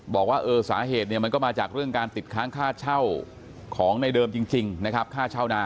บอกว่าสาเหตุเนี่ยมันก็มาจากเรื่องการติดค้างค่าเช่าของในเดิมจริงนะครับค่าเช่านา